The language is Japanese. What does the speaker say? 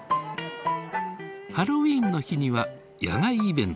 ハロウィンの日には野外イベントも。